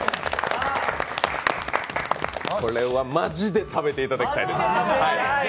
これはマジで食べていただきたいです。